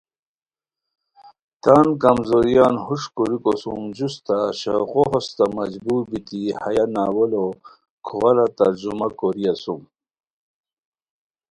تان کمزوریان ہوݰکوریکو سوم جوستہ شوقو ہوستہ مجبور بیتی ہیہ ناولو کھوارا ترجمہ کوری اسوم